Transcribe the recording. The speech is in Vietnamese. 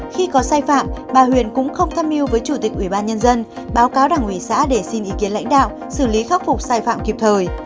khi có sai phạm bà huyền cũng không tham mưu với chủ tịch ủy ban nhân dân báo cáo đảng ủy xã để xin ý kiến lãnh đạo xử lý khắc phục sai phạm kịp thời